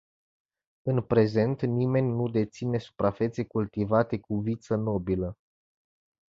În prezent nimeni nu deține suprafețe cultivate cu viță nobilă.